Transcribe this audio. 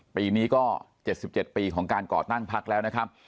ปีนี้ก็๗๗ปีของการก่อตั้งพักแล้วนะครับ